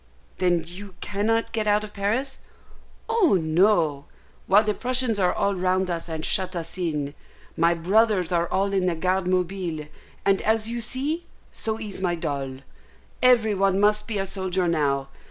"Then you cannot get out of Paris?" "Oh no, while the Prussians are all round us, and shut us in. My brothers are all in the Garde Mobile, and, you see, so is my doll. Every one must be a soldier now.